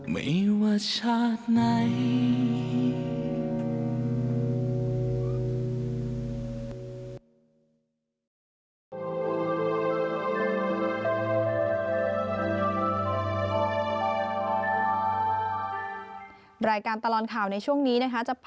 ไม่ว่าชาติไหน